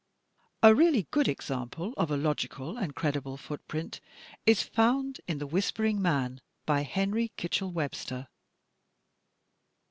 A really good example of a logical and credible footprint is found in "The Whispering Man," by Henry Kitchell Web ster.